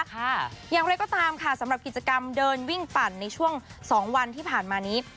อย่างไรก็ตามค่ะสำหรับกิจกรรมเดินวิ่งปั่นในช่วง๒วันที่ผ่านมานี้